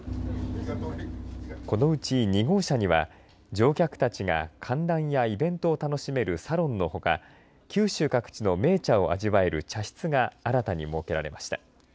このうち２号車には乗客たちが歓談やイベントを楽しめるサロンのほか九州各地の銘茶を味わえる茶室が新たに設けられました。